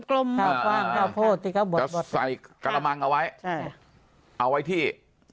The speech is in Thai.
ก็ใส่กระมังเอาไว้